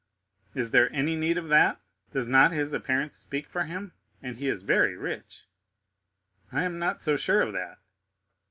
"Is there any need of that! Does not his appearance speak for him? And he is very rich." "I am not so sure of that."